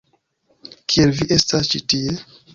Kiel vi estas ĉi tie?